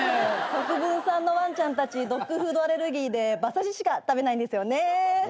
国分さんのワンちゃんたちドッグフードアレルギーで馬刺ししか食べないんですよね。